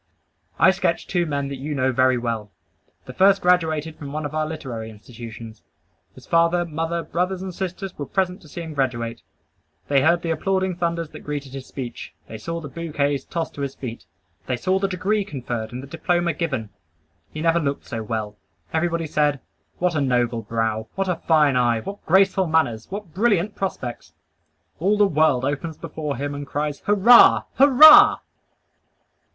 I sketch two men that you know very well. The first graduated from one of our literary institutions. His father, mother, brothers and sisters were present to see him graduate. They heard the applauding thunders that greeted his speech. They saw the bouquets tossed to his feet. They saw the degree conferred and the diploma given. He never looked so well. Everybody said, "What a noble brow! What a fine eye! What graceful manners! What brilliant prospects!" All the world opens before him and cries, "Hurrah! Hurrah!"